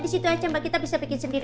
di situ aja mbak kita bisa bikin sendiri